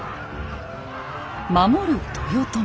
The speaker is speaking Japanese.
守る豊臣。